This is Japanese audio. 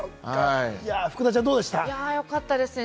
福田ちゃん、どうですか？